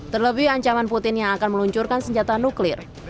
terlebih ancaman putin yang akan meluncurkan senjata nuklir